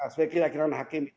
sebagai keyakinan hakim